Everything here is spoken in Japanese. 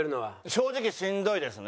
正直しんどいですね。